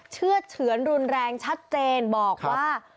เชื่อเฉือนรุนแรงชัดเจนบอกว่า